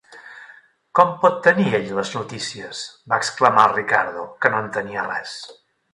"Com pot tenir ell les notícies?", va exclamar el Ricardo, que no entenia res.